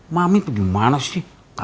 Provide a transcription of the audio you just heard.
mami tuh gimana sih